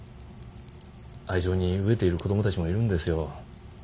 愛情に飢えている子供たちもいるんですよ。